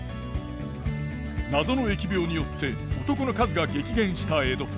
謎の疫病によって男の数が激減した江戸。